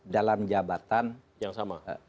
dalam jabatan yang sama